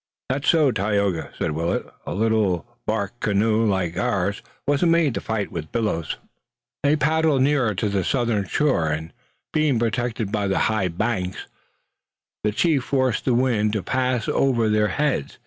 "That's so, Tayoga," said Willet. "A little bark canoe like ours wasn't made to fight with billows." They paddled near to the southern shore, and, being protected by the high banks, the chief force of the wind passed over their heads.